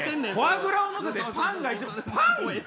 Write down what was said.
フォアグラを乗せてパン焼いて。